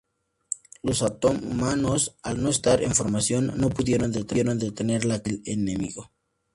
Los otomanos, al no estar en formación, no pudieron detener la carga del enemigo.